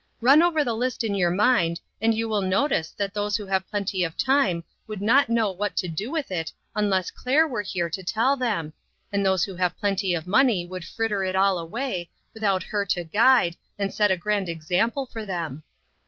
Run over the list in your mind, and you will notice that those who have plenty of time would not know REACHING INTO TO MORROW. 13 what to do with it unless Claire were here to tell them, and those who have plenty of money would fritter it all away, without her to guide, and set a grand example for them."